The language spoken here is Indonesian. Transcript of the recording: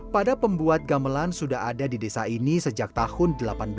pada pembuat gamelan sudah ada di desa ini sejak tahun seribu delapan ratus sembilan puluh